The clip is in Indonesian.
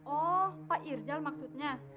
oh pak irza maksudnya